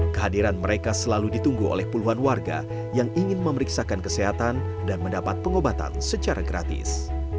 kehadiran mereka selalu ditunggu oleh puluhan warga yang ingin memeriksakan kesehatan dan mendapat pengobatan secara gratis